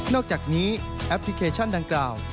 อกจากนี้แอปพลิเคชันดังกล่าว